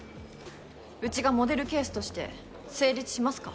うちがモデルケースとして成立しますか？